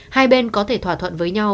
hai bên có thể thỏa thuận với nhau